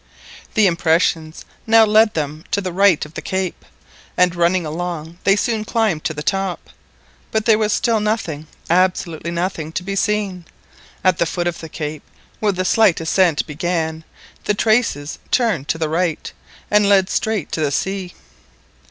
The impressions now led them to the right of the cape, and running along they soon climbed to the top, but there was still nothing, absolutely nothing, to be seen. At the foot of the cape, where the slight ascent began, the traces turned to the right, and led straight to the sea.